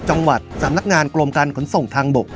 จังหวัดสำนักงานกรมการขนส่งทางบก